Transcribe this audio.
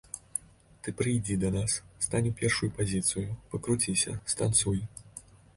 Ты прыйдзі да нас, стань у першую пазіцыю, пакруціся, станцуй.